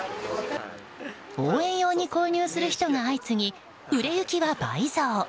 応援用に購入する人が相次ぎ売れ行きは倍増。